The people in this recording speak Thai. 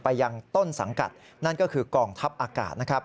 ไปยังต้นสังกัดนั่นก็คือกลองทัพอากาศ